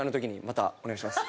またお願いします。